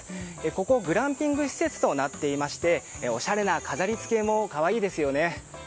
ここグランピング施設となっていましておしゃれな飾りつけも可愛いですよね。